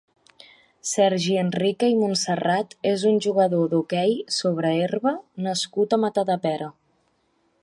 Sergi Enrique i Montserrat és un jugador d'hoquei sobre herba nascut a Matadepera.